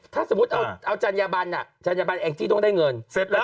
ถ้าสมมุติเอาจัญญาบันจัญญบันแองจี้ต้องได้เงิน